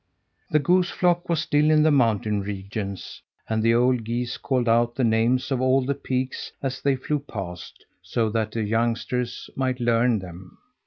The goose flock was still in the mountain regions, and the old geese called out the names of all the peaks as they flew past, so that the youngsters might learn them.